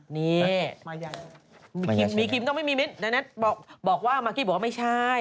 นี่มีคิมต้องไม่มีมิตรดังนั้นบอกว่ามากกี้บอกว่าไม่ใช่